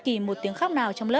còn một miếng xa phòng đi